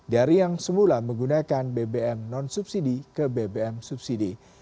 dari yang semula menggunakan bbm non subsidi ke bbm subsidi